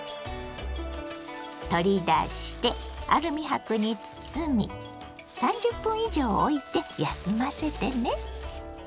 取り出してアルミ箔に包み３０分以上おいて休ませてね。